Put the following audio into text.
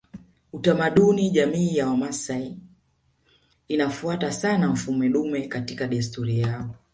Utamaduni Jamii ya Wamasai inafuata sana mfumo dume katika desturi yao